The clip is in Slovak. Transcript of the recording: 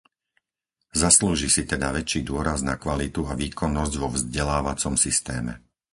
Zaslúži si teda väčší dôraz na kvalitu a výkonnosť vo vzdelávacom systéme.